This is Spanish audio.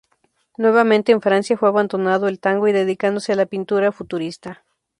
Nuevamente en Francia, fue abandonando el tango y dedicándose a la pintura futurista.